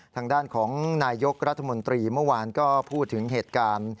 ทางด้านของนายยกรัฐมนตรีเมื่อวานก็พูดถึงเหตุการณ์